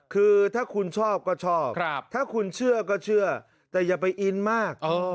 คือถ้าคุณชอบก็ชอบถ้าคุณเชื่อก็เชื่อแต่อย่าไปอินมาก